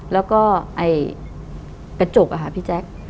แล้วก็กระจกอะค่ะพี่แจ๊ค